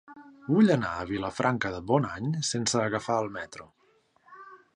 Vull anar a Vilafranca de Bonany sense agafar el metro.